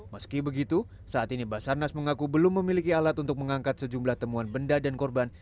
meski begitu saat ini basarnas mengaku belum memiliki alat untuk mengangkat sejumlah temuan benda dan korban